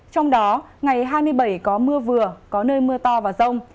trong đó ngày hai mươi bảy có mưa vừa có nơi mưa to và rông